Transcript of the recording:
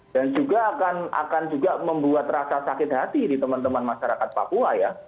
dan juga akan membuat rasa sakit hati di teman teman masyarakat papua ya